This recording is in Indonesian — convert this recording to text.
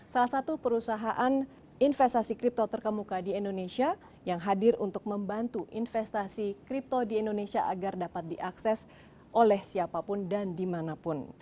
salah satu perusahaan investasi kripto terkemuka di indonesia yang hadir untuk membantu investasi kripto di indonesia agar dapat diakses oleh siapapun dan dimanapun